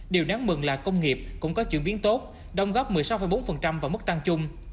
điều đáng mừng là công nghiệp cũng có chuyển biến tốt đồng góp một mươi sáu bốn vào mức tăng chung